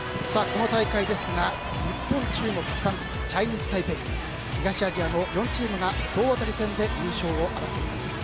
この大会ですが日本、中国、韓国チャイニーズタイペイ東アジアの４チームが総当たり戦で優勝を争います。